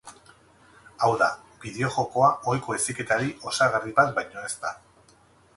Hau da, bideojokoa ohiko heziketari osagarri bat baino ez da.